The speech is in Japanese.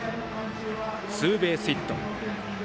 ツーベースヒット。